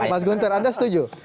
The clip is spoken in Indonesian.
mas gunter anda setuju